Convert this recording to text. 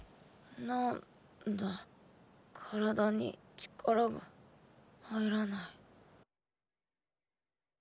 なんだ体に力が入らない。